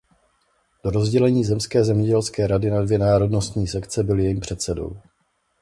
Do rozdělení zemské zemědělské rady na dvě národnostní sekce byl jejím předsedou.